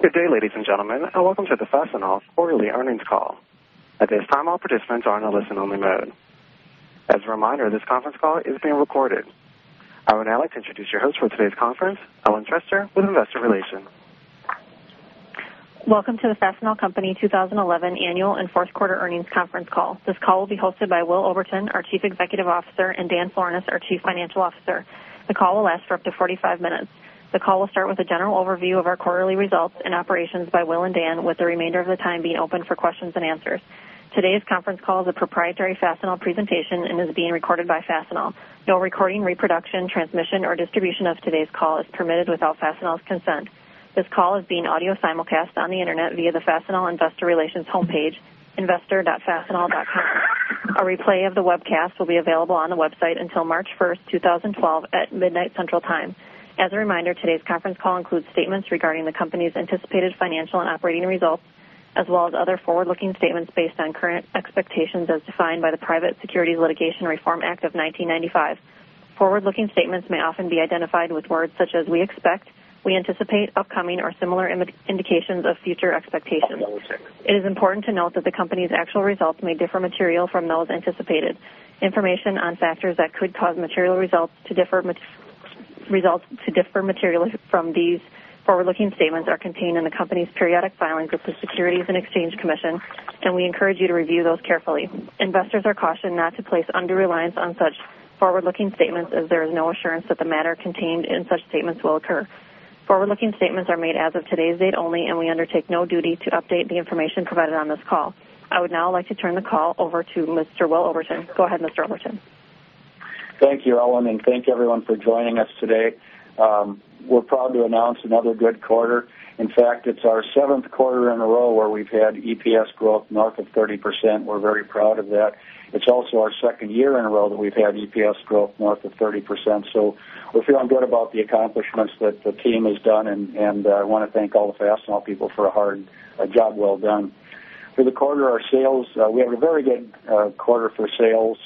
Good day, ladies and gentlemen. Welcome to Fastenal's Quarterly Earnings Call. At this time, all participants are in a listen-only mode. As a reminder, this conference call is being recorded. I would now like to introduce your host for today's conference, Ellen Trester, with Investor Relations. Welcome to the Fastenal Company 2011 Annual and Fourth Quarter Earnings Conference Call. This call will be hosted by Will Oberton, our Chief Executive Officer, and Dan Florness, our Chief Financial Officer. The call will last for up to 45 minutes. The call will start with a general overview of our quarterly results and operations by Will and Dan, with the remainder of the time being open for questions and answers. Today's conference call is a proprietary Fastenal presentation and is being recorded by Fastenal. No recording, reproduction, transmission, or distribution of today's call is permitted without Fastenal's consent. This call is being audio simulcast on the internet via the Fastenal Investor Relations homepage, investor.fastenal.com. A replay of the webcast will be available on the website until March 1st, 2012, at midnight Central Time. As a reminder, today's conference call includes statements regarding the company's anticipated financial and operating results, as well as other forward-looking statements based on current expectations as defined by the Private Securities Litigation Reform Act of 1995. Forward-looking statements may often be identified with words such as "we expect," "we anticipate," "upcoming," or similar indications of future expectations. It is important to note that the company's actual results may differ materially from those anticipated. Information on factors that could cause results to differ materially from these forward-looking statements are contained in the company's periodic filing group of Securities and Exchange Commission, and we encourage you to review those carefully. Investors are cautioned not to place undue reliance on such forward-looking statements as there is no assurance that the matter contained in such statements will occur. Forward-looking statements are made as of today's date only, and we undertake no duty to update the information provided on this call. I would now like to turn the call over to Mr. Will Oberton. Go ahead, Mr. Oberton. Thank you, Ellen, and thank you, everyone, for joining us today. We're proud to announce another good quarter. In fact, it's our seventh quarter in a row where we've had EPS growth north of 30%. We're very proud of that. It's also our second year in a row that we've had EPS growth north of 30%, so we're feeling good about the accomplishments that the team has done, and I want to thank all the Fastenal people for a hard job well done. For the quarter, our sales, we had a very good quarter for sales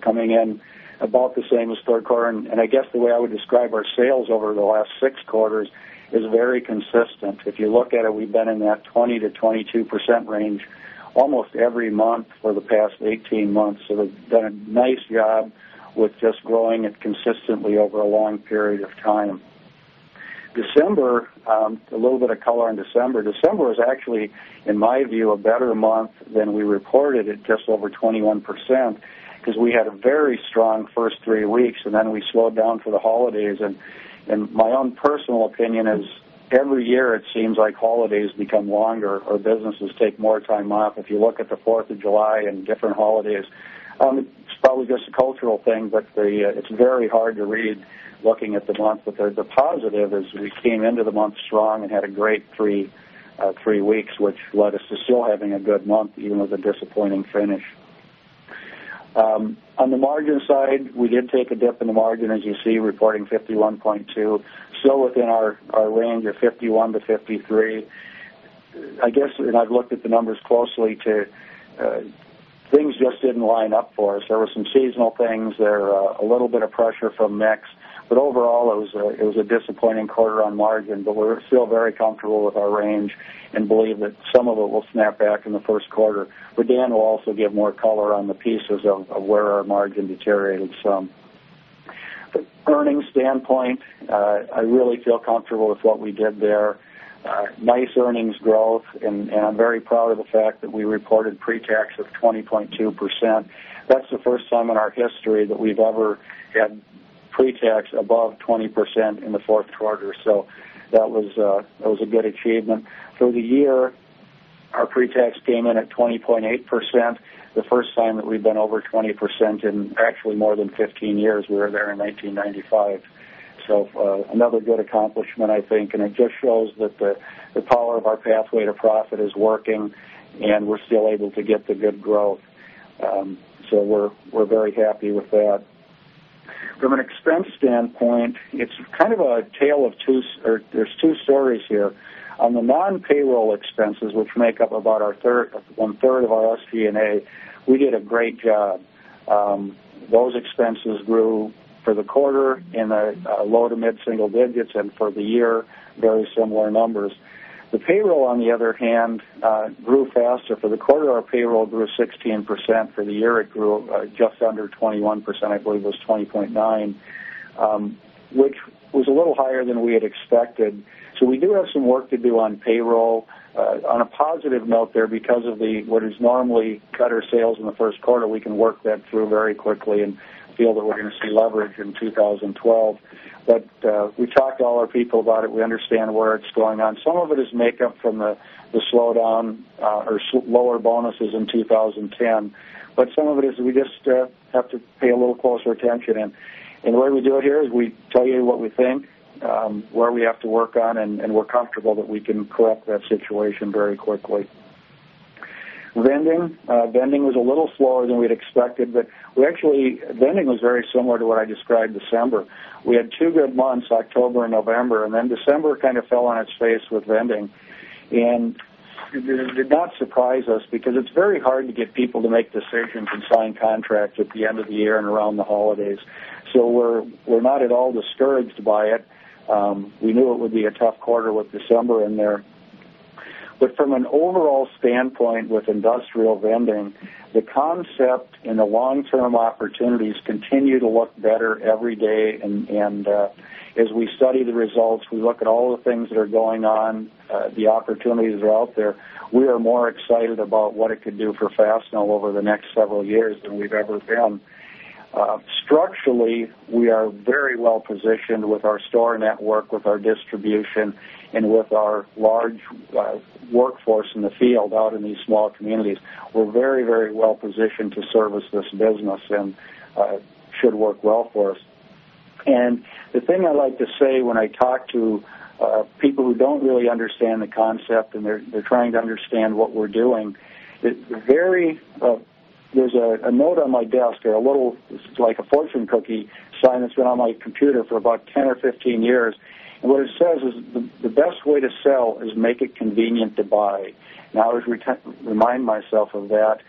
coming in about the same as third quarter, and I guess the way I would describe our sales over the last six quarters is very consistent. If you look at it, we've been in that 20%-22% range almost every month for the past 18 months, so we've done a nice job with just growing it consistently over a long period of time. December, a little bit of color on December. December is actually, in my view, a better month than we reported at just over 21% because we had a very strong first three weeks, and then we slowed down for the holidays. My own personal opinion is every year it seems like holidays become longer or businesses take more time off. If you look at the 4th of July and different holidays, it's probably just a cultural thing, but it's very hard to read looking at the month. The positive is we came into the month strong and had a great three weeks, which led us to still having a good month even with a disappointing finish. On the margin side, we did take a dip in the margin, as you see, reporting 51.2%, still within our range of 51%-53%. I guess, and I've looked at the numbers closely, things just didn't line up for us. There were some seasonal things, there a little bit of pressure from MEX, but overall it was a disappointing quarter on margin, but we're still very comfortable with our range and believe that some of it will snap back in the first quarter. Dan will also give more color on the pieces of where our margin deteriorated some. The earnings standpoint, I really feel comfortable with what we did there. Nice earnings growth, and I'm very proud of the fact that we reported pre-tax of 20.2%. That's the first time in our history that we've ever had pre-tax above 20% in the fourth quarter, so that was a good achievement. For the year, our pre-tax came in at 20.8%, the first time that we've been over 20% in actually more than 15 years. We were there in 1995, so another good accomplishment, I think. It just shows that the power of our pathway to profit is working, and we're still able to get the good growth, so we're very happy with that. From an expense standpoint, it's kind of a tale of two, or there's two stories here. On the non-payroll expenses, which make up about one-third of our SG&A, we did a great job. Those expenses grew for the quarter in the low to mid-single digits, and for the year, very similar numbers. The payroll, on the other hand, grew faster. For the quarter, our payroll grew 16%. For the year, it grew just under 21%. I believe it was 20.9%, which was a little higher than we had expected. We do have some work to do on payroll. On a positive note there, because of what has normally cut our sales in the first quarter, we can work that through very quickly and feel that we're going to see leverage in 2012. We talked to all our people about it. We understand where it's going on. Some of it is makeup from the slowdown or lower bonuses in 2010, but some of it is we just have to pay a little closer attention. The way we do it here is we tell you what we think, where we have to work on, and we're comfortable that we can correct that situation very quickly. Vending was a little slower than we'd expected, but vending was very similar to what I described in December. We had two good months, October and November, and then December kind of fell on its face with vending, and it did not surprise us because it's very hard to get people to make decisions and sign contracts at the end of the year and around the holidays. We are not at all discouraged by it. We knew it would be a tough quarter with December in there. From an overall standpoint with industrial vending, the concept and the long-term opportunities continue to look better every day. As we study the results, we look at all the things that are going on, the opportunities that are out there, we are more excited about what it could do for Fastenal over the next several years than we've ever been. Structurally, we are very well positioned with our store network, with our distribution, and with our large workforce in the field out in these small communities. We're very, very well positioned to service this business and should work well for us. The thing I like to say when I talk to people who don't really understand the concept and they're trying to understand what we're doing, there's a note on my desk or a little, it's like a fortune cookie sign that's been on my computer for about 10 or 15 years. What it says is the best way to sell is make it convenient to buy. I always remind myself of that,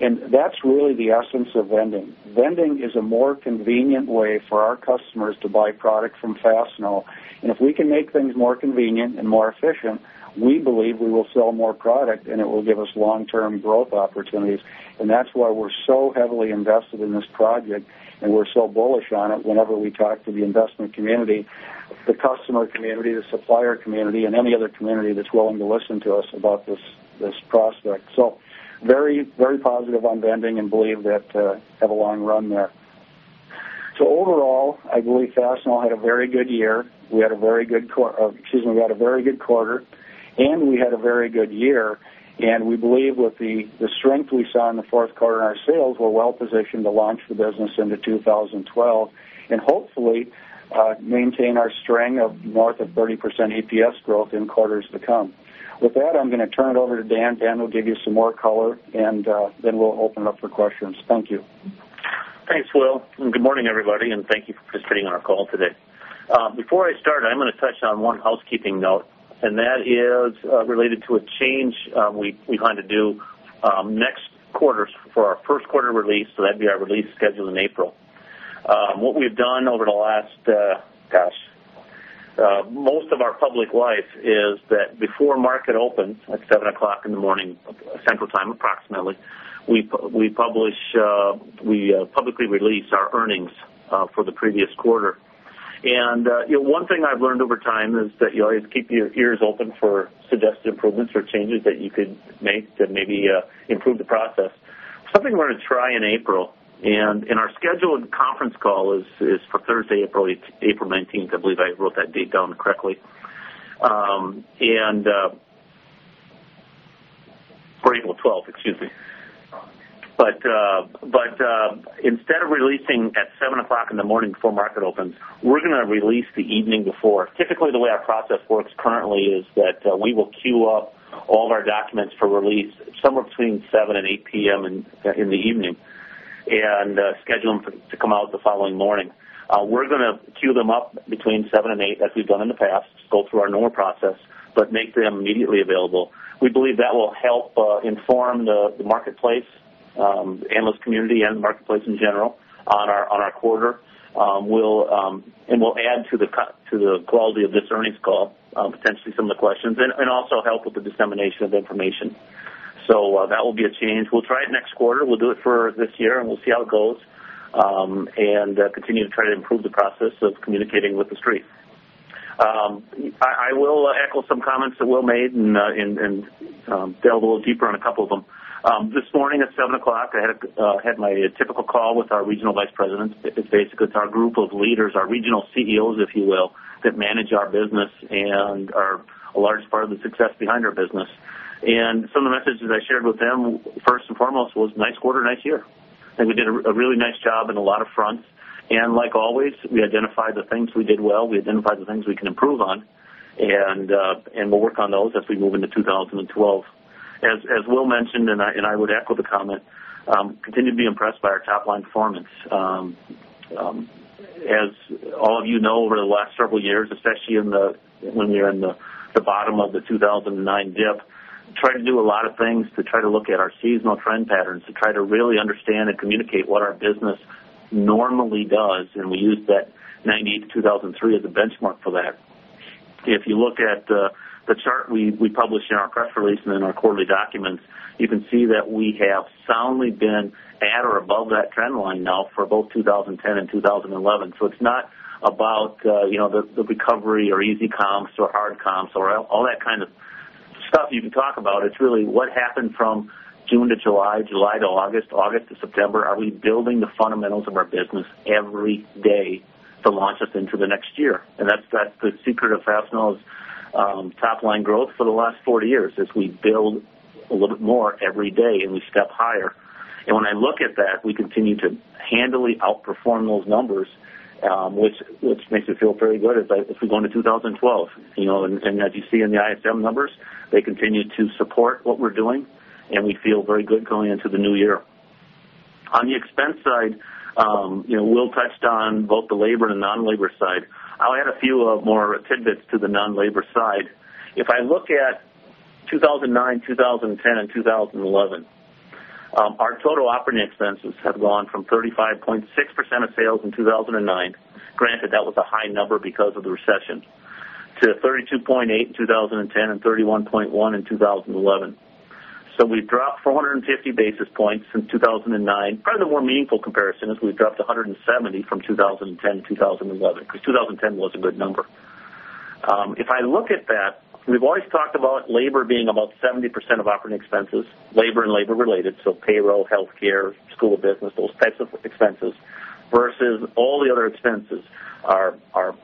and that's really the essence of vending. Vending is a more convenient way for our customers to buy product from Fastenal. If we can make things more convenient and more efficient, we believe we will sell more product, and it will give us long-term growth opportunities. That's why we're so heavily invested in this project, and we're so bullish on it whenever we talk to the investment community, the customer community, the supplier community, and any other community that's willing to listen to us about this prospect. Very, very positive on vending and believe that have a long run there. Overall, I believe Fastenal had a very good year. We had a very good, excuse me, we had a very good quarter, and we had a very good year. We believe with the strength we saw in the fourth quarter in our sales, we're well positioned to launch the business into 2012 and hopefully maintain our strength of north of 30% EPS growth in quarters to come. With that, I'm going to turn it over to Dan. Dan will give you some more color, and then we'll open it up for questions. Thank you. Thanks, Will. Good morning, everybody, and thank you for participating in our call today. Before I start, I'm going to touch on one housekeeping note, and that is related to a change we plan to do next quarter for our first quarter release, so that'd be our release scheduled in April. What we've done over the last, gosh, most of our public life is that before market opens at 7:00 A.M. Central Time approximately, we publish, we publicly release our earnings for the previous quarter. One thing I've learned over time is that you always keep your ears open for suggested improvements or changes that you could make to maybe improve the process. Something we're going to try in April, and our scheduled conference call is for Thursday, April 19th. I believe I wrote that date down correctly. April 12th, excuse me. Instead of releasing at 7:00 A.M. before market opens, we're going to release the evening before. Typically, the way our process works currently is that we will queue up all of our documents for release somewhere between 7:00 and 8:00 P.M. in the evening and schedule them to come out the following morning. We're going to queue them up between 7:00 and 8:00 P.M., as we've done in the past, to go through our normal process, but make them immediately available. We believe that will help inform the marketplace, analyst community, and the marketplace in general on our quarter. It will add to the quality of this earnings call, potentially some of the questions, and also help with the dissemination of information. That will be a change. We'll try it next quarter. We'll do it for this year, and we'll see how it goes and continue to try to improve the process of communicating with the street. I will echo some comments that Will made and delve a little deeper on a couple of them. This morning at 7:00 A.M., I had my typical call with our regional vice presidents. It's basically our group of leaders, our regional CEOs, if you will, that manage our business and are a large part of the success behind our business. Some of the messages I shared with them, first and foremost, was nice quarter, nice year. I think we did a really nice job on a lot of fronts. Like always, we identified the things we did well. We identified the things we can improve on, and we'll work on those as we move into 2012. As Will mentioned, and I would echo the comment, continue to be impressed by our top-line performance. As all of you know, over the last several years, especially when you're in the bottom of the 2009 dip, trying to do a lot of things to try to look at our seasonal trend patterns to try to really understand and communicate what our business normally does. We used that 1998 to 2003 as a benchmark for that. If you look at the chart we publish in our press release and in our quarterly documents, you can see that we have soundly been at or above that trend line now for both 2010 and 2011. It is not about the recovery or easy comps or hard comps or all that kind of stuff you could talk about. It is really what happened from June to July, July to August, August to September. Are we building the fundamentals of our business every day to launch us into the next year? That is the secret of Fastenal's top-line growth for the last 40 years: we build a little bit more every day and we step higher. When I look at that, we continue to handily outperform those numbers, which makes me feel very good. If we go into 2012, you know, and as you see in the ISM numbers, they continue to support what we're doing, and we feel very good going into the new year. On the expense side, Will touched on both the labor and the non-labor side. I'll add a few more tidbits to the non-labor side. If I look at 2009, 2010, and 2011, our total operating expenses had gone from 35.6% of sales in 2009, granted that was a high number because of the recession, to 32.8% in 2010 and 31.1% in 2011. We have dropped 450 basis points since 2009. Part of the more meaningful comparison is we dropped 170 basis points from 2010 to 2011 because 2010 was a good number. If I look at that, we've always talked about labor being about 70% of operating expenses, labor and labor-related, so payroll, healthcare, school of business, those types of expenses versus all the other expenses, our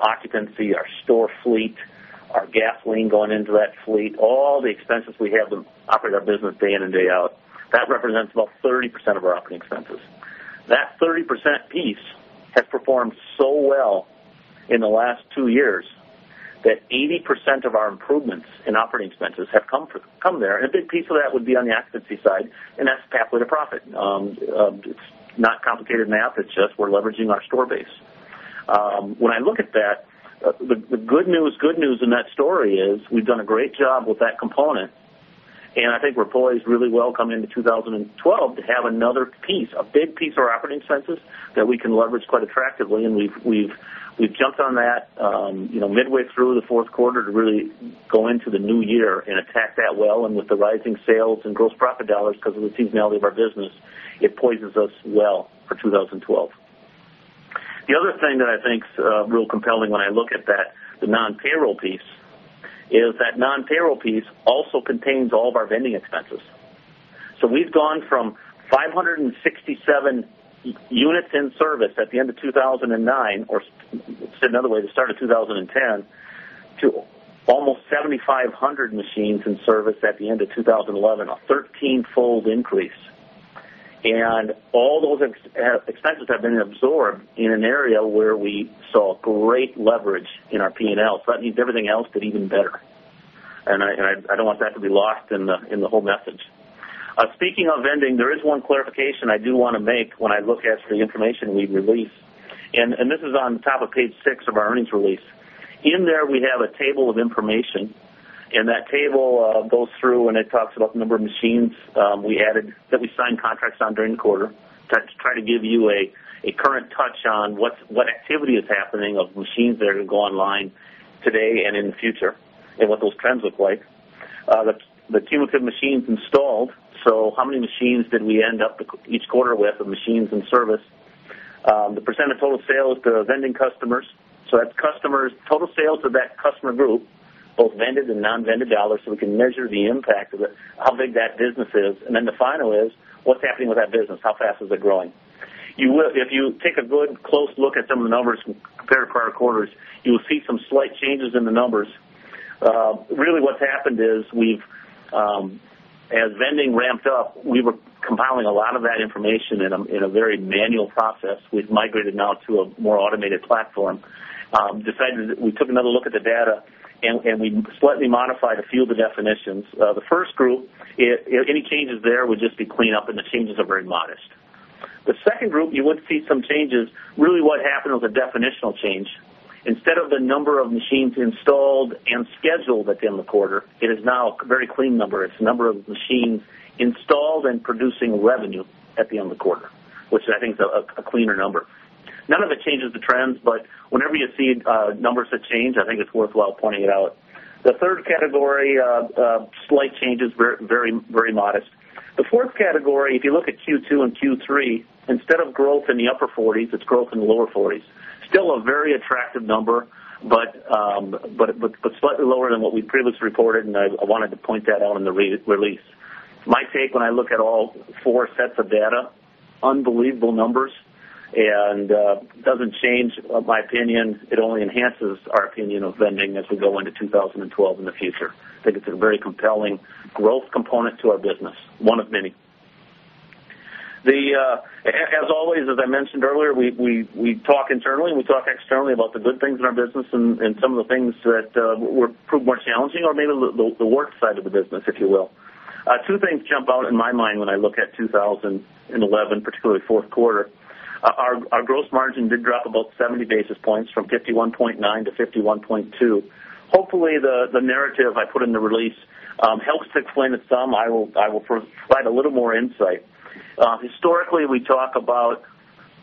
occupancy, our store fleet, our gasoline going into that fleet, all the expenses we have to operate our business day in and day out. That represents about 30% of our operating expenses. That 30% piece has performed so well in the last two years that 80% of our improvements in operating expenses have come there. A big piece of that would be on the occupancy side, and that's pathway to profit. It is not complicated math. It is just we're leveraging our store base. When I look at that, the good news in that story is we've done a great job with that component, and I think we're poised really well coming into 2012 to have another piece, a big piece of our operating expenses that we can leverage quite attractively. We jumped on that midway through the fourth quarter to really go into the new year and attack that well. With the rising sales and gross profit dollars, because of the seasonality of our business, it positions us well for 2012. The other thing that I think is real compelling when I look at that, the non-payroll piece, is that non-payroll piece also contains all of our vending expenses. We've gone from 567 units in service at the end of 2009, or said another way, the start of 2010, to almost 7,500 machines in service at the end of 2011, a 13-fold increase. All those expenses have been absorbed in an area where we saw great leverage in our P&L. That means everything else but even better. I don't want that to be lost in the whole message. Speaking of vending, there is one clarification I do want to make when I look at the information we release. This is on the top of page six of our earnings release. In there, we have a table of information, and that table goes through and it talks about the number of machines we added that we signed contracts on during the quarter to try to give you a current touch on what activity is happening of machines that are going to go online today and in the future and what those trends look like. The cumulative machines installed, so how many machines did we end up each quarter with of machines in service. The percentage of total sales to vending customers, so that's customers' total sales to that customer group, both vended and non-vended dollars, so we can measure the impact of how big that business is. The final is what's happening with that business. How fast is it growing? If you take a good close look at some of the numbers compared to prior quarters, you will see some slight changes in the numbers. Really, what's happened is as vending ramped up, we were compiling a lot of that information in a very manual process. We've migrated now to a more automated platform. We took another look at the data, and we slightly modified a few of the definitions. The first group, any changes there would just be cleaned up, and the changes are very modest. The second group, you would see some changes. Really, what happened was a definitional change. Instead of the number of machines installed and scheduled at the end of the quarter, it is now a very clean number. It's the number of machines installed and producing revenue at the end of the quarter, which I think is a cleaner number. None of it changes the trends, but whenever you see numbers that change, I think it's worthwhile pointing it out. The third category, slight changes, very, very modest. The fourth category, if you look at Q2 and Q3, instead of growth in the upper 40%, it's growth in the lower 40%. Still a very attractive number, but slightly lower than what we previously reported, and I wanted to point that out in the release. My take when I look at all four sets of data, unbelievable numbers, and it doesn't change my opinion. It only enhances our opinion of vending as we go into 2012 and the future. I think it's a very compelling growth component to our business, one of many. As always, as I mentioned earlier, we talk internally and we talk externally about the good things in our business and some of the things that proved more challenging or maybe the work side of the business, if you will. Two things jump out in my mind when I look at 2011, particularly the fourth quarter. Our gross margin did drop about 70 basis points from 51.9% to 51.2%. Hopefully, the narrative I put in the release helps to explain it some. I will provide a little more insight. Historically, we talk about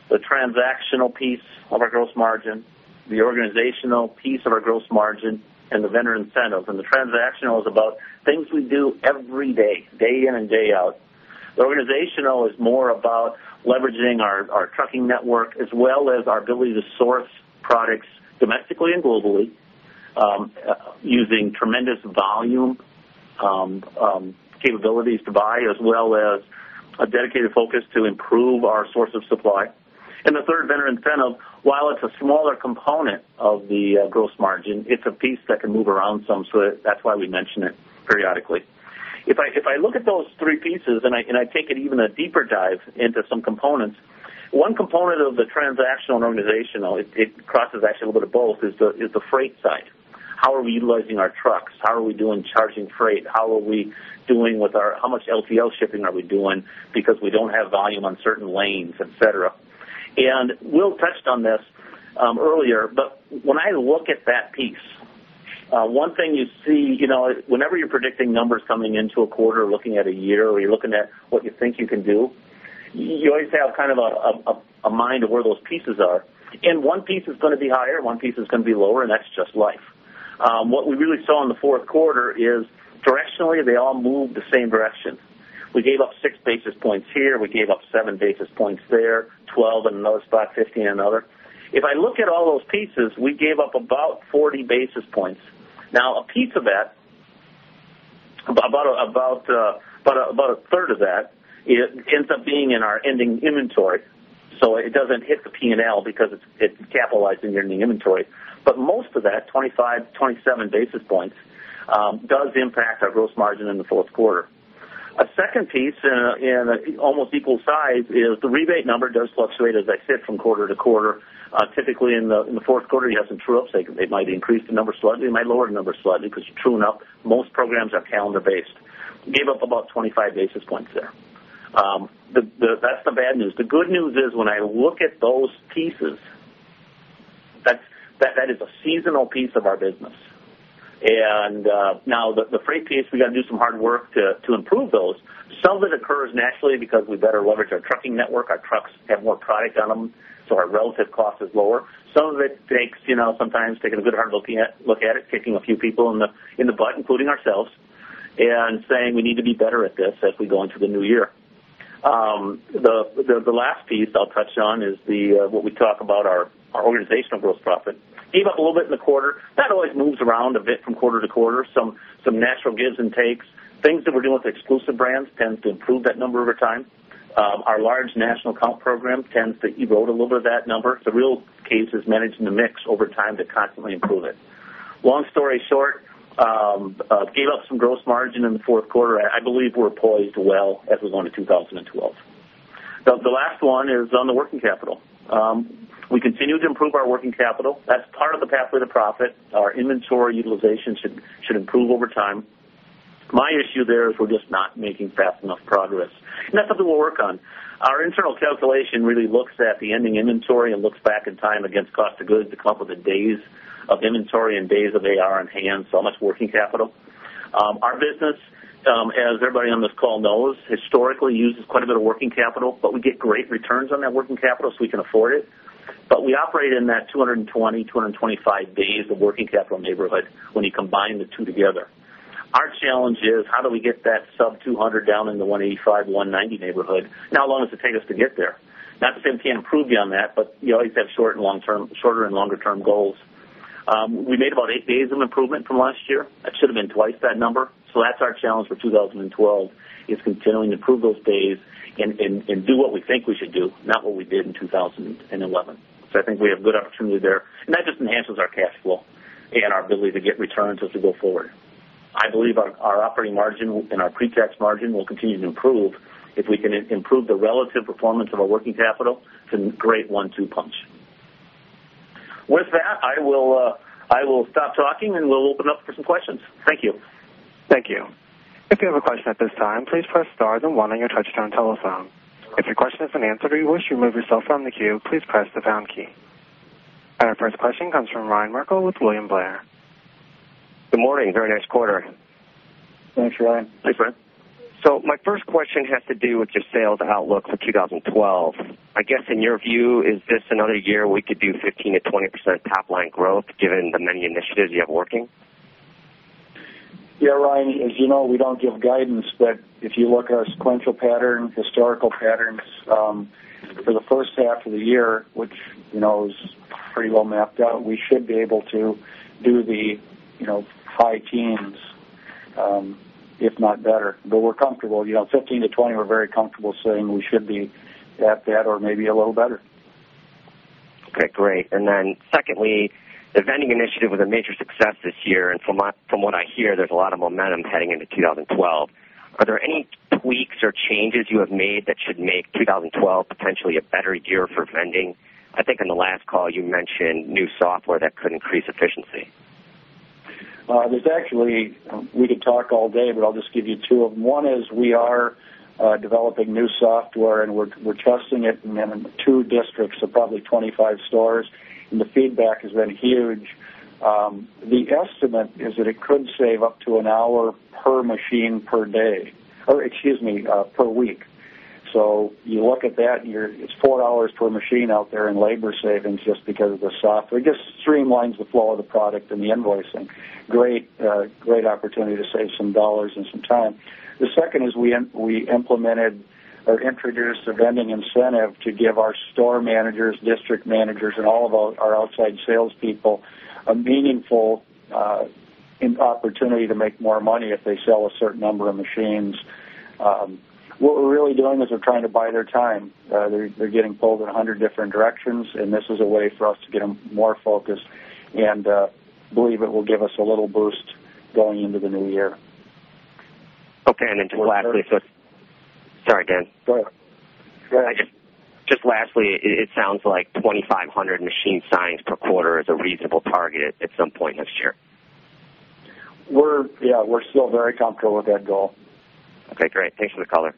the transactional piece of our gross margin, the organizational piece of our gross margin, and the vendor incentives. The transactional is about things we do every day, day in and day out. The organizational is more about leveraging our trucking network as well as our ability to source products domestically and globally using tremendous volume capabilities to buy, as well as a dedicated focus to improve our source of supply. The third, vendor incentive, while it's a smaller component of the gross margin, it's a piece that can move around some, so that's why we mention it periodically. If I look at those three pieces and I take it even a deeper dive into some components, one component of the transactional and organizational, it crosses actually a little bit of both, is the freight side. How are we utilizing our trucks? How are we doing charging freight? How are we doing with our how much LTL shipping are we doing because we don't have volume on certain lanes, etc.? Will touched on this earlier. When I look at that piece, one thing you see, whenever you're predicting numbers coming into a quarter, looking at a year, or you're looking at what you think you can do, you always have kind of a mind of where those pieces are. One piece is going to be higher, one piece is going to be lower, and that's just life. What we really saw in the fourth quarter is directionally, they all moved the same direction. We gave up 6 basis points here. We gave up 7 basis points there, 12 basis points in another spot, 15 basis points in another. If I look at all those pieces, we gave up about 40 basis points. A piece of that, about 1/3 of that, ends up being in our ending inventory. It doesn't hit the P&L because it's capitalized in your ending inventory. Most of that, 25, 27 basis points, does impact our gross margin in the fourth quarter. A second piece in almost equal size is the rebate number, which does fluctuate as I sit from quarter to quarter. Typically, in the fourth quarter, you have some true upside. They might increase the number slightly. They might lower the number slightly because you're trueing up. Most programs are calendar-based. We gave up about 25 basis points there. That's the bad news. The good news is when I look at those pieces, that is a seasonal piece of our business. Now the freight piece, we got to do some hard work to improve those. Some of it occurs naturally because we better leverage our trucking network. Our trucks have more product on them, so our relative cost is lower. Some of it takes, you know, sometimes taking a good hard look at it, taking a few people in the butt, including ourselves, and saying we need to be better at this as we go into the new year. The last piece I'll touch on is what we talk about, our organizational gross profit. Gave up a little bit in the quarter. That always moves around a bit from quarter to quarter, some natural gives and takes. Things that we're doing with exclusive brands tend to improve that number over time. Our large national account program tends to erode a little bit of that number. The real case is managing the mix over time to constantly improve it. Long story short, gave up some gross margin in the fourth quarter. I believe we're poised well as we go into 2012. The last one is on the working capital. We continue to improve our working capital. That's part of the pathway to profit. Our inventory utilization should improve over time. My issue there is we're just not making fast enough progress. That's something we'll work on. Our internal calculation really looks at the ending inventory and looks back in time against cost of goods, a couple of the days of inventory and days of AR in hand, so that's working capital. Our business, as everybody on this call knows, historically uses quite a bit of working capital, but we get great returns on that working capital so we can afford it. We operate in that 220, 225 days of working capital neighborhood when you combine the two together. Our challenge is how do we get that sub 200, down in the 185, 190 neighborhood? How long does it take us to get there? Not to say we can't improve beyond that, but you always have short and long-term, shorter and longer-term goals. We made about eight days of improvement from last year. That should have been twice that number. That's our challenge for 2012, continuing to improve those days and do what we think we should do, not what we did in 2011. I think we have a good opportunity there. That just enhances our cash flow and our ability to get returns as we go forward. I believe our operating margin and our pre-tax margin will continue to improve if we can improve the relative performance of our working capital to a great one-two punch. With that, I will stop talking and we'll open it up for some questions. Thank you. Thank you. If you have a question at this time, please press star and one on your touch-tone telephone. If your question is answered or you wish to remove yourself from the queue, please press the pound key. Our first question comes from Ryan Merkel with William Blair. Good morning. Very nice quarter. Thanks, Ryan. My first question has to do with your sales outlook for 2012. I guess in your view, is this another year we could do 15%-20% top-line growth given the many initiatives you have working? Yeah, Ryan, as you know, we don't give guidance. If you look at our sequential pattern, historical patterns, for the first half of the year, which you know is pretty well mapped out, we should be able to do the high teens, if not better. We're comfortable, 15%-20%, we're very comfortable saying we should be at that or maybe a little better. Okay, great. Secondly, the vending initiative was a major success this year. From what I hear, there's a lot of momentum heading into 2012. Are there any tweaks or changes you have made that should make 2012 potentially a better year for vending? I think in the last call, you mentioned new software that could increase efficiency. There are actually, we could talk all day, but I'll just give you two of them. One is we are developing new software and we're testing it in two districts of probably 25 stores, and the feedback has been huge. The estimate is that it could save up to an hour per machine per week. You look at that, and it's four hours per machine out there in labor savings just because of the software. It just streamlines the flow of the product and the invoicing. Great, great opportunity to save some dollars and some time. The second is we implemented or introduced a vending incentive to give our Store Managers, District Managers, and all of our outside salespeople a meaningful opportunity to make more money if they sell a certain number of machines. What we're really doing is we're trying to buy their time. They're getting pulled in a hundred different directions, and this is a way for us to get them more focused. I believe it will give us a little boost going into the new year. Okay. Lastly, sorry, Dan. Go ahead. Just lastly, it sounds like 2,500 machine signs per quarter is a reasonable target at some point next year. Yeah, we're still very comfortable with that goal. Okay, great. Thanks for the colorr.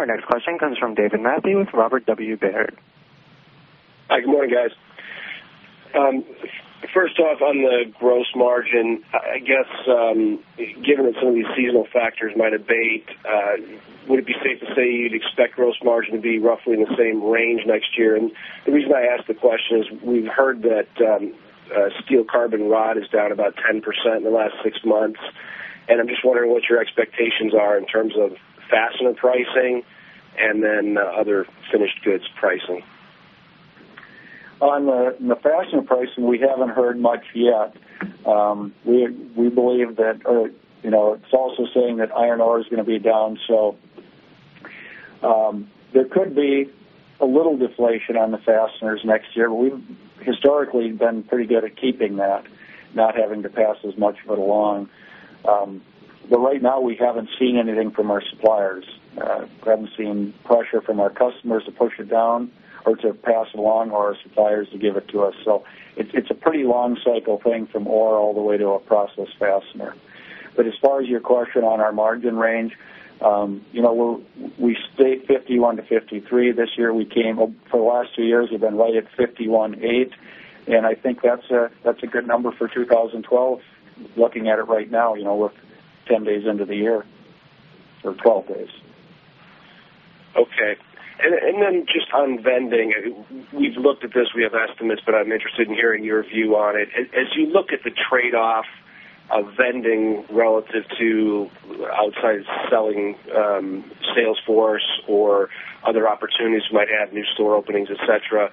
Our next question comes from David Manthey with Robert W. Baird. Hi, good morning, guys. First off, on the gross margin, I guess given it's one of these seasonal factors, my debate, would it be safe to say you'd expect gross margin to be roughly in the same range next year? The reason why I asked the question is we heard that steel carbon rod is down about 10% in the last six months. I'm just wondering what your expectations are in terms of fastener pricing and then other finished goods pricing. On the fastener pricing, we haven't heard much yet. We believe that, you know, it's also saying that iron ore is going to be down. There could be a little deflation on the fasteners next year, but we've historically been pretty good at keeping that, not having to pass as much of it along. Right now, we haven't seen anything from our suppliers. I haven't seen pressure from our customers to push it down or to pass it along or our suppliers to give it to us. It's a pretty long cycle thing from ore all the way to a process fastener. As far as your question on our margin range, you know, we stayed 51%-53% this year. We came up for the last two years, we've been right at 51.8%, and I think that's a good number for 2012, looking at it right now, with 10 days into the year or 12 days. Okay. Just on vending, we've looked at this. We have estimates, but I'm interested in hearing your view on it. As you look at the trade-off of vending relative to outside selling sales force or other opportunities you might have, new store openings, etc.,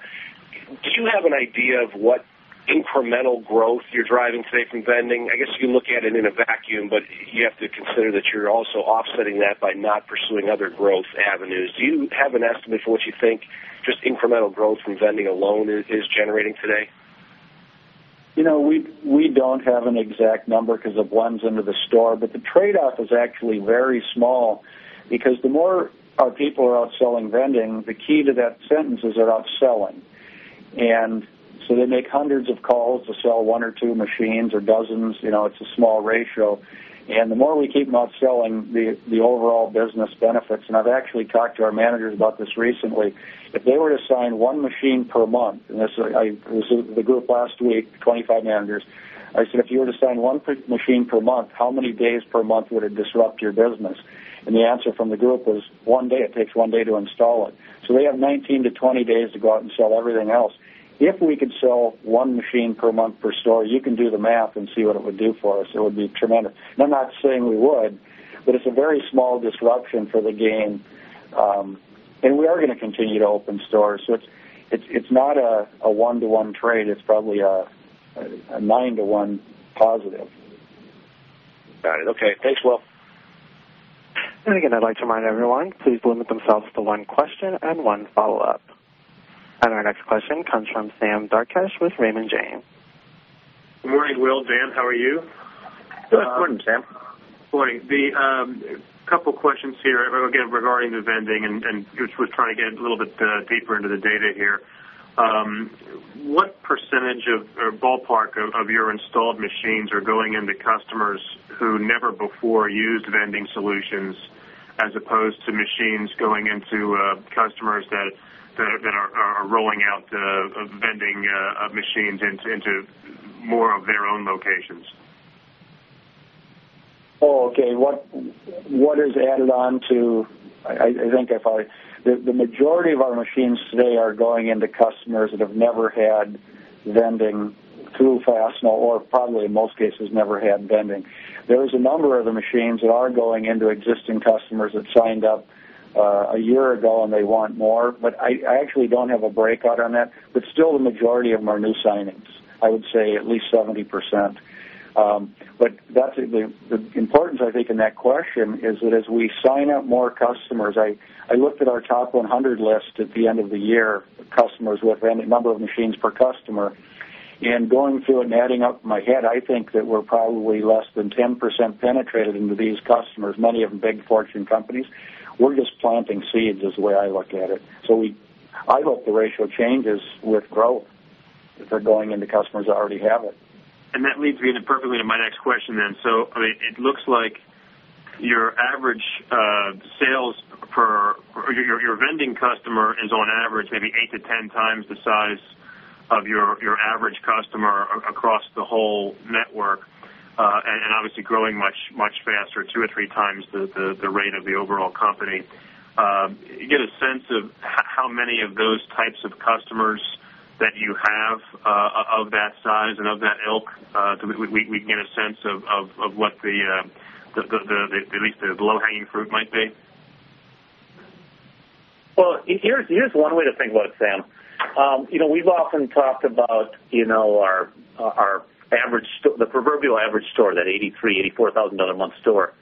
do you have an idea of what incremental growth you're driving today from vending? I guess you can look at it in a vacuum, but you have to consider that you're also offsetting that by not pursuing other growth avenues. Do you have an estimate for what you think just incremental growth from vending alone is generating today? We don't have an exact number because it blends into the store, but the trade-off is actually very small because the more our people are out selling vending, the key to that sentence is they're out selling. They make hundreds of calls to sell one or two machines or dozens. It's a small ratio. The more we keep them out selling, the overall business benefits. I've actually talked to our managers about this recently. If they were to sign one machine per month, and this was the group last week, 25 managers, I said, "If you were to sign one machine per month, how many days per month would it disrupt your business?" The answer from the group was, "One day. It takes one day to install it." They have 19-20 days to go out and sell everything else. If we could sell one machine per month per store, you can do the math and see what it would do for us. It would be tremendous. I'm not saying we would, but it's a very small disruption for the gain. We are going to continue to open stores. It's not a one-to-one trade. It's probably a nine-to-one positive. Got it. Okay. Thanks, Will. I'd like to remind everyone, please limit yourself to one question and one follow-up. Our next question comes from Sam Darkatsh with Raymond James. Good morning, Will. Dan, how are you? Good morning, Sam. Morning. A couple of questions here, again, regarding the vending, and just trying to get a little bit deeper into the data here. What percentage of or ballpark of your installed machines are going into customers who never before used vending solutions as opposed to machines going into customers that are rolling out vending machines into more of their own locations? Okay. What is added on to, I think I followed. The majority of our machines today are going into customers that have never had vending through Fastenal or probably in most cases never had vending. There is a number of the machines that are going into existing customers that signed up a year ago and they want more, but I actually don't have a breakout on that. Still, the majority of them are new signings. I would say at least 70%. That is the importance, I think, in that question, that as we sign up more customers, I looked at our top 100 list at the end of the year, customers with a number of machines per customer. Going through and adding up in my head, I think that we're probably less than 10% penetrated into these customers, many of them big Fortune companies. We're just planting seeds is the way I look at it. I hope the ratio changes with growth if they're going into customers that already have it. That leads me perfectly to my next question then. It looks like your average sales for your vending customer is on average maybe 8x-10x the size of your average customer across the whole network, and obviously growing much, much faster, 2x or 3x the rate of the overall company. You get a sense of how many of those types of customers that you have of that size and of that ilk, we can get a sense of what at least the low-hanging fruit might be? Here's one way to think about it, Sam. We've often talked about our average store, the proverbial average store, that $83,000, $84,000 a month store.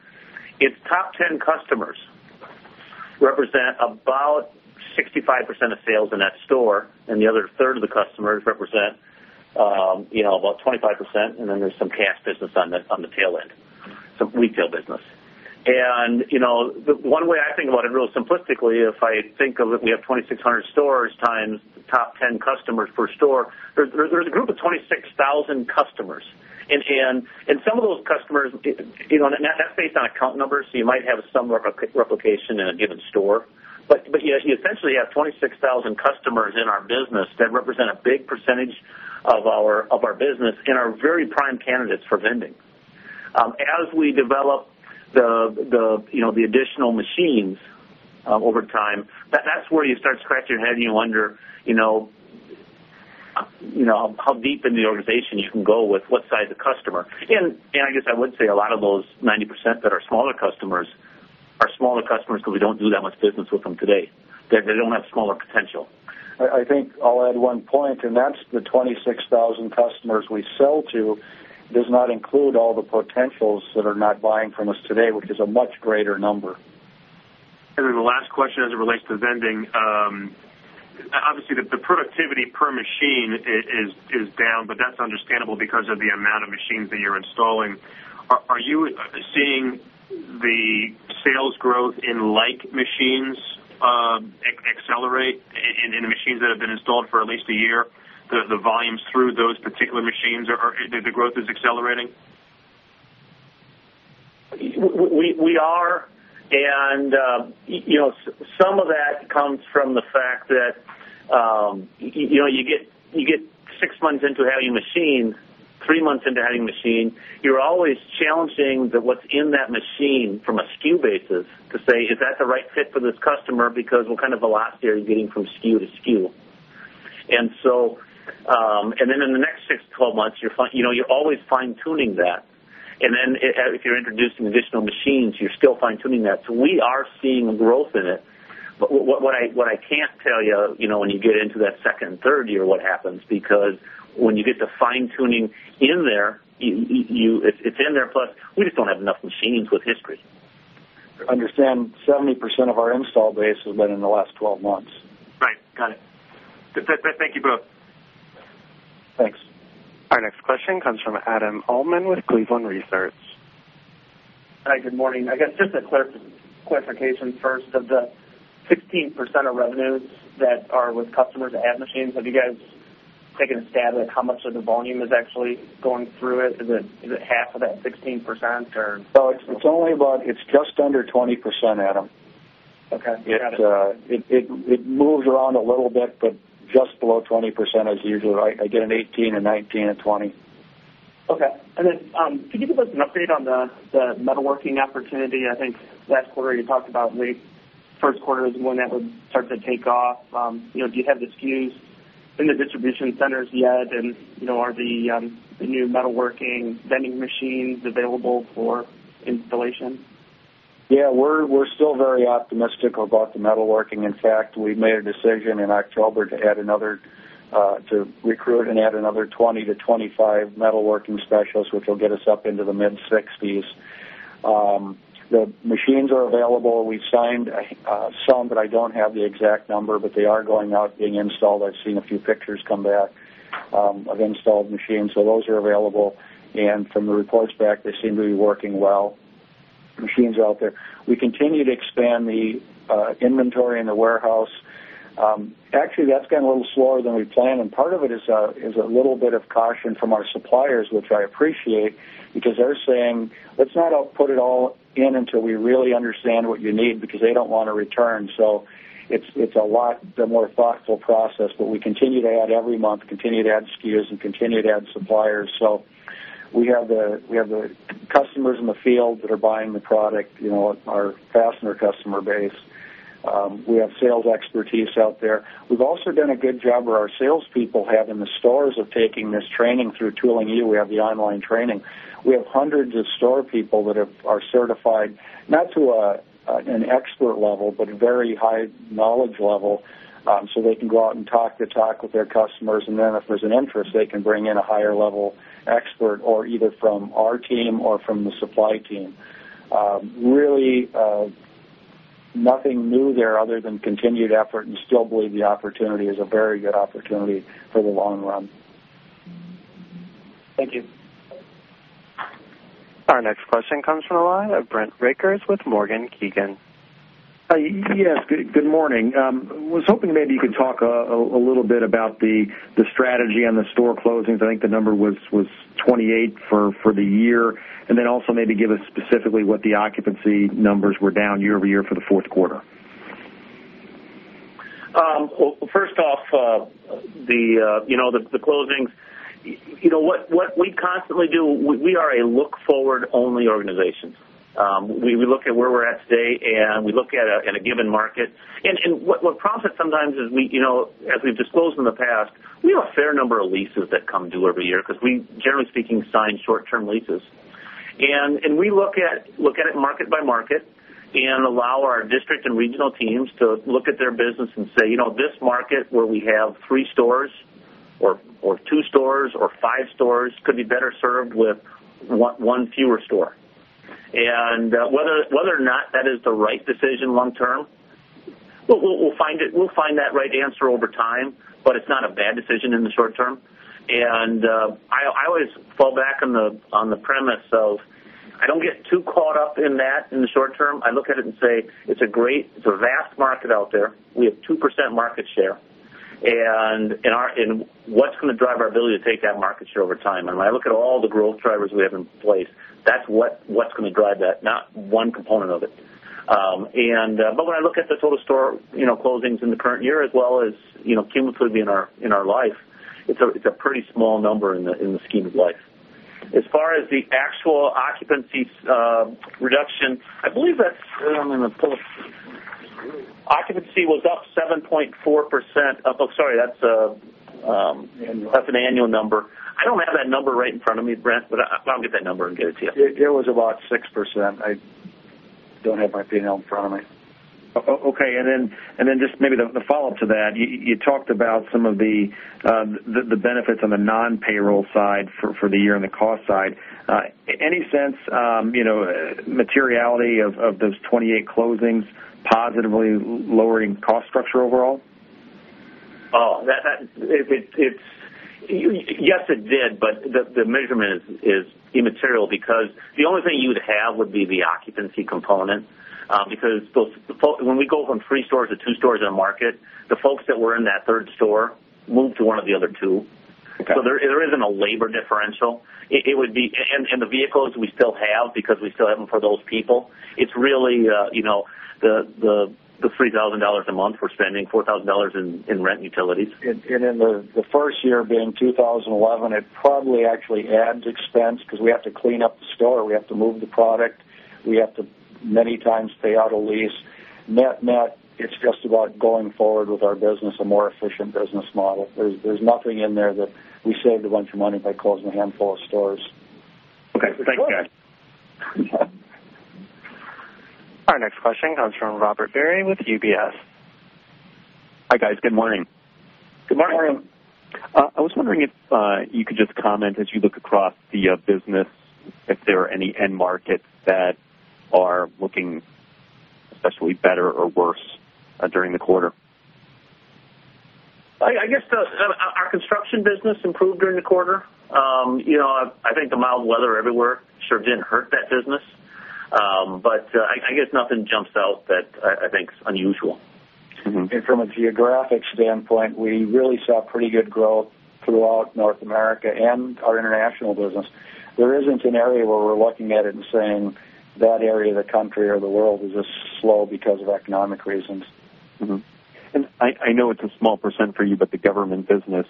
Its top 10 customers represent about 65% of sales in that store, and the other third of the customers represent about 25%. There is some cash business on the tail end, some retail business. One way I think about it real simplistically, if I think of it, we have 2,600 stores times the top 10 customers per store. There's a group of 26,000 customers. Some of those customers, that's based on account numbers, so you might have some replication in a given store. You essentially have 26,000 customers in our business that represent a big percentage of our business and are very prime candidates for vending. As we develop the additional machines over time, that's where you start scratching your head, under how deep in the organization you can go with what size of customer. I would say a lot of those 90% that are smaller customers are smaller customers because we don't do that much business with them today. They don't have smaller potential. I think I'll add one point, and that's the 26,000 customers we sell to does not include all the potentials that are not buying from us today, which is a much greater number. The last question as it relates to vending, obviously, the productivity per machine is down, but that's understandable because of the amount of machines that you're installing. Are you seeing the sales growth in like machines accelerate in the machines that have been installed for at least a year? The volumes through those particular machines, the growth is accelerating? We are. You know, some of that comes from the fact that you get six months into having a machine, three months into having a machine, you're always challenging what's in that machine from a SKU basis to say, "Is that the right fit for this customer? Because what kind of velocity are you getting from SKU to SKU?" In the next six to 12 months, you're always fine-tuning that. If you're introducing additional machines, you're still fine-tuning that. We are seeing a growth in it. What I can't tell you, you know, when you get into that second and third year, what happens because when you get the fine-tuning in there, it's in there. Plus, we just don't have enough machines with history. Understand 70% of our install base has been in the last 12 months. Right. Got it. Thank you both. Thanks. Our next question comes from Adam Uhlman with Cleveland Research. Hi, good morning. I guess just a question clarification. First, of the 16% of revenues that are with customers at machines, have you guys taken a stab at how much of the volume is actually going through it? Is it half of that 16% or? It's just under 20%, Adam. Okay, got it. It moves around a little bit, but just below 20% is usually right. I get an 18%, a 19%, a 20%. Okay. Could you give us an update on the metalworking opportunity? I think last quarter you talked about the first quarter is the one that would start to take off. Do you have the SKUs in the distribution centers yet? Are the new metalworking vending machines available for installation? Yeah, we're still very optimistic about the metalworking. In fact, we made a decision in October to recruit and add another 20-25 metalworking specialists, which will get us up into the mid-60s. The machines are available. We've signed some, but I don't have the exact number, but they are going out and being installed. I've seen a few pictures come back of installed machines. Those are available. From the reports back, they seem to be working well. We continue to expand the inventory in the warehouse. Actually, that's gotten a little slower than we planned. Part of it is a little bit of caution from our suppliers, which I appreciate, because they're saying, "Let's not output it all in until we really understand what you need," because they don't want to return. It's a lot of a more thoughtful process. We continue to add every month, continue to add SKUs and continue to add suppliers. We have the customers in the field that are buying the product, you know, our fastener customer base. We have sales expertise out there. We've also done a good job of our salespeople having the stores taking this training through Tooling U. We have the online training. We have hundreds of store people that are certified, not to an expert level, but a very high knowledge level, so they can go out and talk the talk with their customers. If there's an interest, they can bring in a higher-level expert, either from our team or from the supply team. Really, nothing new there other than continued effort. We still believe the opportunity is a very good opportunity for the long run. Thank you. Our next question comes from the line of Brent Rakers with Morgan Keegan. Yes, good morning. I was hoping maybe you could talk a little bit about the strategy on the store closings. I think the number was 28 for the year. Also, maybe give us specifically what the occupancy numbers were down year-over-year for the fourth quarter. First off, you know, the closings, you know what we constantly do, we are a look-forward-only organization. We look at where we're at today, and we look at a given market. What prompts sometimes is we, you know, as we've disclosed in the past, we have a fair number of leases that come due every year because we, generally speaking, sign short-term leases. We look at it market by market and allow our district and regional teams to look at their business and say, "You know, this market where we have three stores or two stores or five stores could be better served with one fewer store." Whether or not that is the right decision long term, we'll find that right answer over time, but it's not a bad decision in the short term. I always fall back on the premise of I don't get too caught up in that in the short term. I look at it and say, "It's a great, it's a vast market out there. We have 2% market share. What's going to drive our ability to take that market share over time?" When I look at all the growth drivers we have in place, that's what's going to drive that, not one component of it. When I look at the total store closings in the current year, as well as cumulatively in our life, it's a pretty small number in the scheme of life. As far as the actual occupancy reduction, I believe that's, I'm going to pull up occupancy was up 7.4%. Oh, sorry, that's an annual number. I don't have that number right in front of me, Brent, but I'll get that number and get it to you. It was about 6%. I don't have my P&L in front of me. Okay. Maybe the follow-up to that, you talked about some of the benefits on the non-payroll side for the year and the cost side. Any sense, you know, materiality of those 28 closings positively lowering cost structure overall? Oh, that. Yes, it did, but the measurement is immaterial because the only thing you would have would be the occupancy component. Because when we go from three stores to two stores in a market, the folks that were in that third store move to one of the other two. There isn't a labor differential. It would be, and the vehicles we still have because we still have them for those people, it's really, you know, the $3,000 a month we're spending, $4,000 in rent and utilities. In the first year being 2011, it probably actually adds expense because we have to clean up the store. We have to move the product. We have to many times pay auto lease. Net-net, it's just about going forward with our business, a more efficient business model. There's nothing in there that we saved a bunch of money by closing a handful of stores. Okay, thanks, Dan. Go ahead. Our next question comes from Robert Barry with UBS. Hi, guys. Good morning. Good morning. I was wondering if you could just comment as you look across the business if there are any end markets that are looking especially better or worse during the quarter. I guess our construction business improved during the quarter. I think the mild weather everywhere sure didn't hurt that business. Nothing jumps out that I think is unusual. From a geographic standpoint, we really saw pretty good growth throughout North America and our international business. There isn't an area where we're looking at it and saying that area of the country or the world is just slow because of economic reasons. I know it's a small percent for you, but the government business,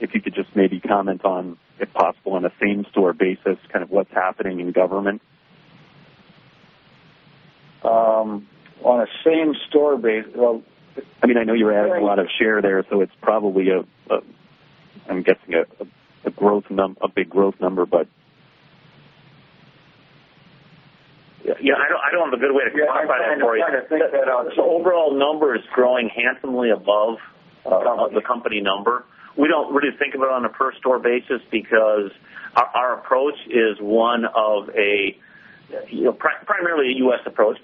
if you could just maybe comment on, if possible, on a same-store basis, kind of what's happening in government? On a same-store basis. I know you're adding a lot of share there, so it's probably, I'm guessing, a growth number, a big growth number. I don't have a good way to define it, but I'm trying to think that out. Overall, numbers are growing handsomely above the company number. We don't really think of it on a per-store basis because our approach is primarily a U.S. approach,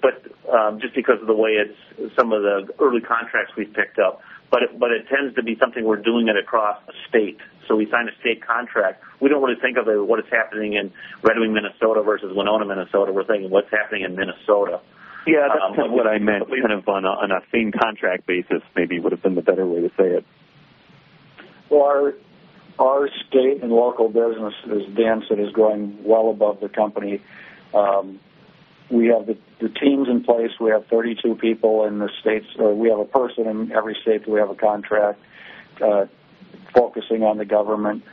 just because of the way some of the early contracts we've picked up. It tends to be something we're doing across a state. We sign a state contract. We don't really think of it as what is happening in Redwing, Minnesota versus Winona, Minnesota. We're thinking what's happening in Minnesota. Yeah, that's what I meant. On a theme contract basis, maybe would have been the better way to say it. Our state and local business, as Dan Florness said, is growing well above the company. We have the teams in place. We have 32 people in the states. We have a person in every state that we have a contract focusing on the government.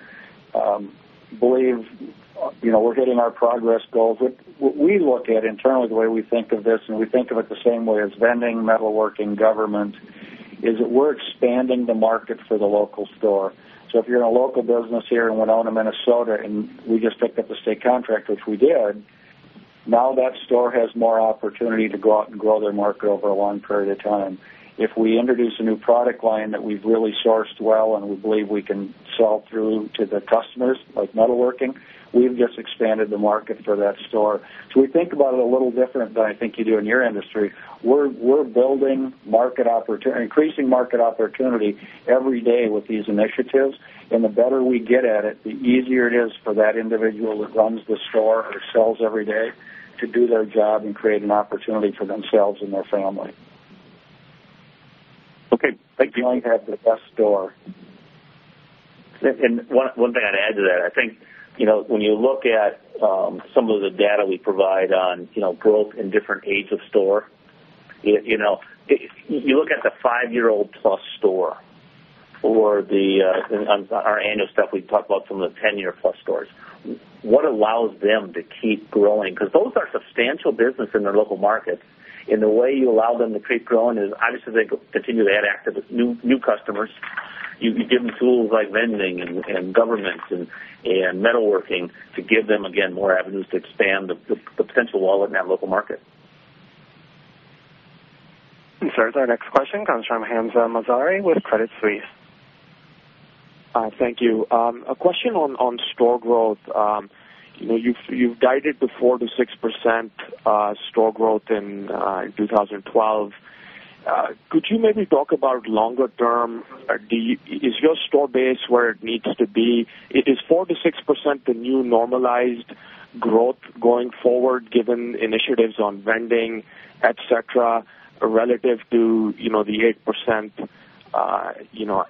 Believe, you know, we're hitting our progress goals. What we look at internally, the way we think of this, and we think of it the same way as vending, metalworking, government, is that we're expanding the market for the local store. If you're in a local business here in Winona, Minnesota, and we just picked up the state contractors, which we did, now that store has more opportunity to go out and grow their market over a long period of time. If we introduce a new product line that we've really sourced well and we believe we can sell through to the customers, like metalworking, we've just expanded the market for that store. We think about it a little different than I think you do in your industry. We're building market opportunity, increasing market opportunity every day with these initiatives. The better we get at it, the easier it is for that individual that runs the store or sells every day to do their job and create an opportunity for themselves and their family. Okay, thank you. You might have the best store. One thing I'd add to that, I think, when you look at some of the data we provide on growth in different age of store, you look at the 5+ year old store for our annual stuff, we talk about some of the 10+ year stores. What allows them to keep growing? Those are substantial business in their local markets. The way you allow them to keep growing is obviously they continue to add active new customers. You give them tools like vending and governments and metalworking to give them, again, more avenues to expand the potential wallet in that local market. Thanks, sir. Our next question comes from Hamzah Mazari with Credit Suisse. Hi, thank you. A question on store growth. You've dived into 4%-6% store growth in 2012. Could you maybe talk about longer term? Is your store base where it needs to be? Is 4%-6% the new normalized growth going forward given initiatives on vending, etc., relative to the 8%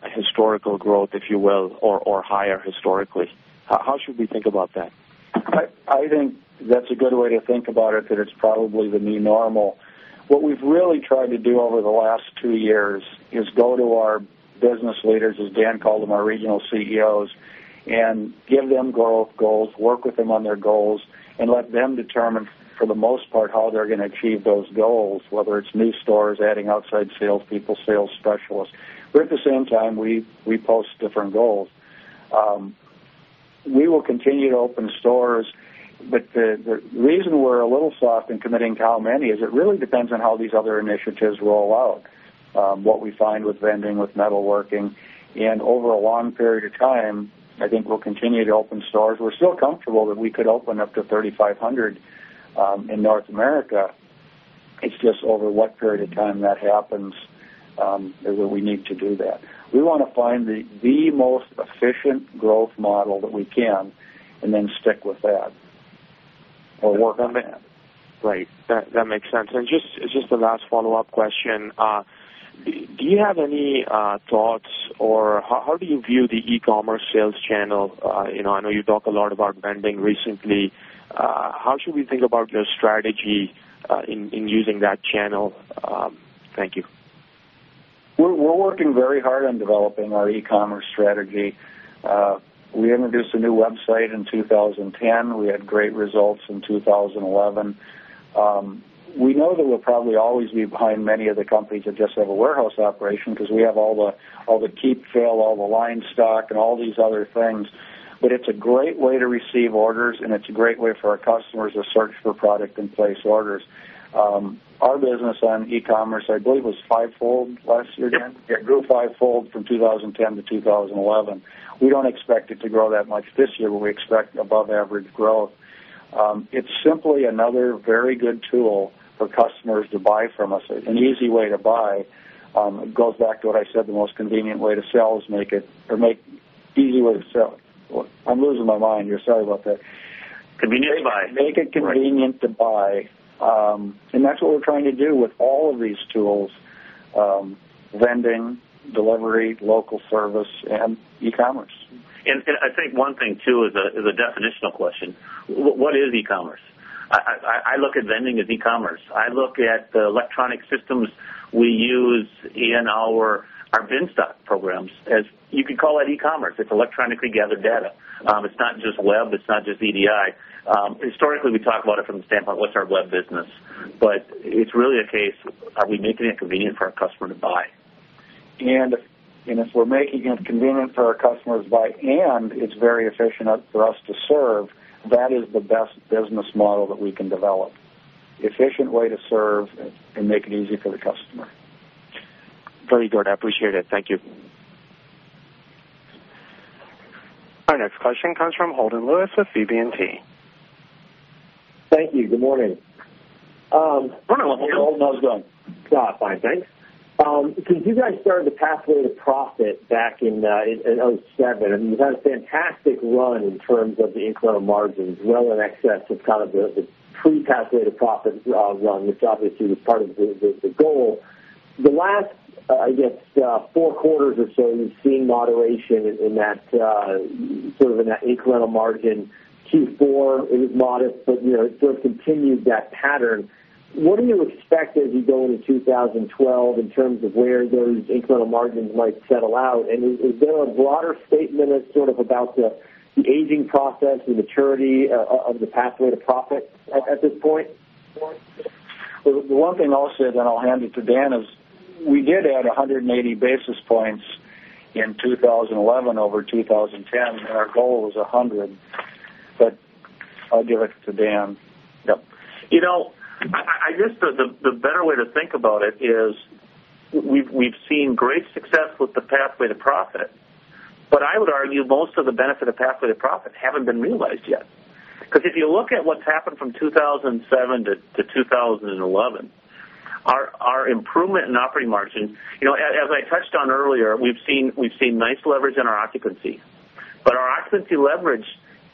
historical growth, if you will, or higher historically? How should we think about that? I think that's a good way to think about it, that it's probably the new normal. What we've really tried to do over the last two years is go to our business leaders, as Dan called them, our regional CEOs, and give them growth goals, work with them on their goals, and let them determine, for the most part, how they're going to achieve those goals, whether it's new stores, adding outside salespeople, sales specialists. At the same time, we post different goals. We will continue to open stores, but the reason we're a little soft in committing to how many is it really depends on how these other initiatives roll out, what we find with vending, with metalworking. Over a long period of time, I think we'll continue to open stores. We're still comfortable that we could open up to 3,500 in North America. It's just over what period of time that happens that we need to do that. We want to find the most efficient growth model that we can and then stick with that. Right. That makes sense. Just as the last follow-up question, do you have any thoughts or how do you view the e-commerce sales channel? I know you talk a lot about vending recently. How should we think about your strategy in using that channel? Thank you. We're working very hard on developing our e-commerce strategy. We introduced a new website in 2010. We had great results in 2011. We know that we'll probably always be behind many of the companies that just have a warehouse operation because we have all the keep, fail, all the line stock, and all these other things. It's a great way to receive orders, and it's a great way for our customers to search for product and place orders. Our business on e-commerce, I believe, was fivefold last year, Dan.It grew fivefold from 2010 to 2011. We don't expect it to grow that much this year, but we expect above average growth. It's simply another very good tool for customers to buy from us. An easy way to buy. It goes back to what I said, the most convenient way to sell is make it or make an easy way to sell. I'm losing my mind here. Sorry about that. Make it convenient to buy. Make it convenient to buy. That is what we're trying to do with all of these tools: vending, delivery, local service, and e-commerce. I think one thing, too, is a definitional question. What is e-commerce? I look at vending as e-commerce. I look at the electronic systems we use in our bin stock programs. You can call that e-commerce. It's electronically gathered data. It's not just web. It's not just EDI. Historically, we talk about it from the standpoint of what's our web business. It's really a case, are we making it convenient for our customer to buy? If we're making it convenient for our customers to buy and it's very efficient for us to serve, that is the best business model that we can develop. Efficient way to serve and make it easy for the customer. Very good. I appreciate it. Thank you. Our next question comes from Holden Lewis with BB&T. Thank you. Good morning. Holden knows Doug. Fine. Thanks. Since you guys started the pathway to profit back in 2007, I mean, you've had a fantastic run in terms of the inflow margins, well in excess. It's kind of the pre-pathway to profit run. It's obviously the part of the goal. The last, I guess, four quarters or so, we've seen moderation in that sort of an incremental margin. Q4 is modest, but you know it sort of continued that pattern. What do you expect as you go into 2012 in terms of where those incremental margins might settle out? Is there a broader statement that's sort of about the aging process, the maturity of the pathway to profit at this point? The one thing I'll share, then I'll hand you to Dan, is we did add 180 basis points in 2011 over 2010. Our goal was 100 basis points. I'll give it to Dan. I guess the better way to think about it is we've seen great success with the pathway to profit. I would argue most of the benefit of pathway to profit hasn't been realized yet. If you look at what's happened from 2007 to 2011, our improvement in operating margins, as I touched on earlier, we've seen nice leverage in our occupancy. Our occupancy leverage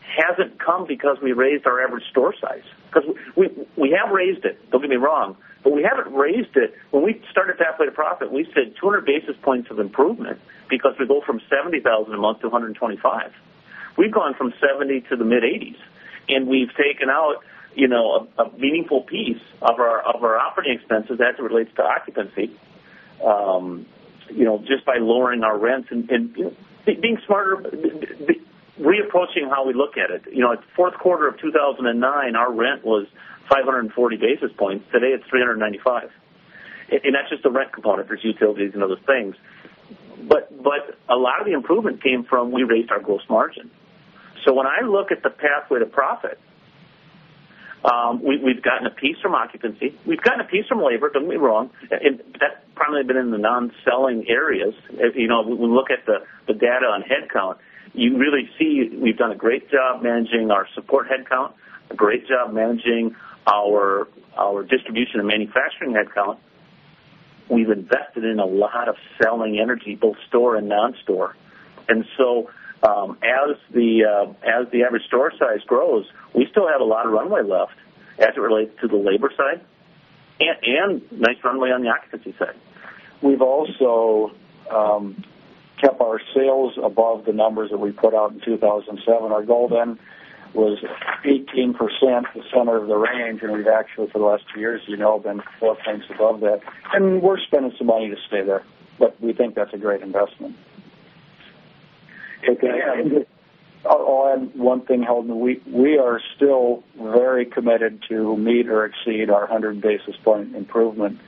hasn't come because we raised our average store size. We have raised it, don't get me wrong, but we haven't raised it. When we started pathway to profit, we said 200 basis points of improvement because we go from $70,000 a month to $125,000. We've gone from $70,000 to the mid-$80,000s. We've taken out a meaningful piece of our operating expenses as it relates to occupancy just by lowering our rents and being smarter, reapproaching how we look at it. At the fourth quarter of 2009, our rent was 540 basis points. Today, it's 395 basis points. That's just the rent component. There are utilities and other things. A lot of the improvement came from we raised our gross margin. When I look at the pathway to profit, we've gotten a piece from occupancy. We've gotten a piece from labor, don't get me wrong, and that's probably been in the non-selling areas. When we look at the data on headcount, you really see we've done a great job managing our support headcount, a great job managing our distribution and manufacturing headcount. We've invested in a lot of selling energy, both store and non-store. As the average store size grows, we still have a lot of runway left as it relates to the labor side and nice runway on the occupancy side. We've also kept our sales above the numbers that we put out in 2007. Our goal then was 18%, the center of the range. We've actually, for the last two years, been throwing things above that. We're spending some money to stay there. We think that's a great investment. One thing, Holden, we are still very committed to meet or exceed our 100 basis point improvement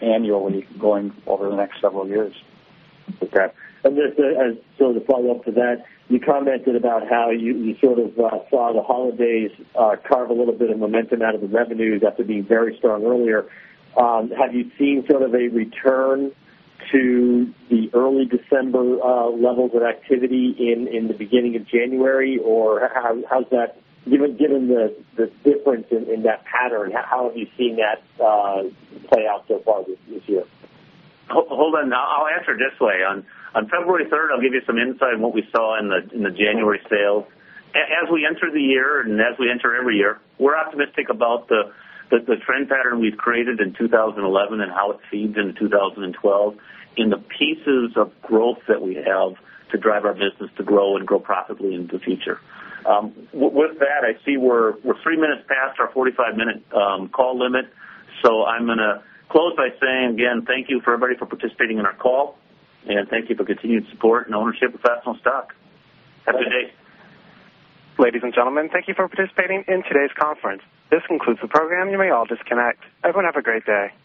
annually going over the next several years. Okay, I'm just going to follow up to that. You commented about how you saw the holidays carve a little bit of momentum out of the revenues after being very strong earlier. Have you seen a return to the early December levels of activity in the beginning of January, or how's that, given the difference in that pattern, how have you seen that play out so far this year? Hold on. I'll answer it this way. On February 3rd, I'll give you some insight on what we saw in the January sale. As we enter the year and as we enter every year, we're optimistic about the trend pattern we've created in 2011 and how it feeds into 2012 in the pieces of growth that we have to drive our business to grow and grow profitably into the future. With that, I see we're three minutes past our 45-minute call limit. I'm going to close by saying, again, thank you for everybody for participating in our call. Thank you for continued support and ownership of Fastenal stock. Have a good day. Ladies and gentlemen, thank you for participating in today's conference. This concludes the program. You may all disconnect. Everyone, have a great day.